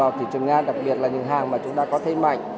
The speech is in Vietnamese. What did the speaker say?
vào thị trường nga đặc biệt là những hàng mà chúng ta có thêm mạnh